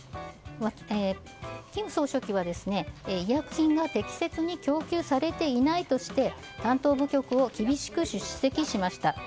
金総書記は医薬品が適切に供給されていないとして担当部局を厳しく叱責しました。